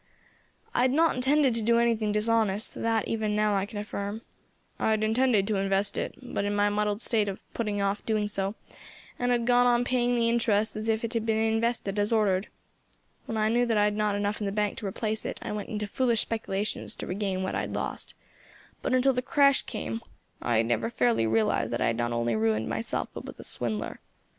"I had not intended to do anything dishonest, that even now I can affirm. I had intended to invest it, but in my muddled state put off doing so, and had gone on paying the interest as if it had been invested as ordered. When I knew that I had not enough in the bank to replace it, I went into foolish speculations to regain what I had lost; but until the crash came I had never fairly realised that I had not only ruined myself but was a swindler.